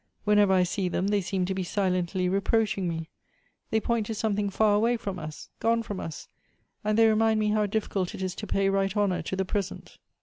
"Whenever I see them they seem to be silently reproaching me. They point to something far away from us, — gone from us ; and they remind me how difficult it is to pay right honor to the present.